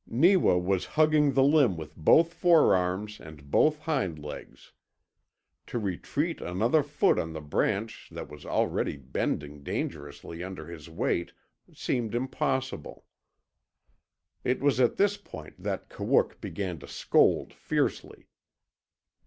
Neewa was hugging the limb with both forearms and both hind legs. To retreat another foot on the branch that was already bending dangerously under his weight seemed impossible. It was at this point that Kawook began to scold fiercely.